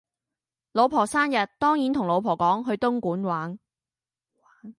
老婆生日當然同老婆講去東莞玩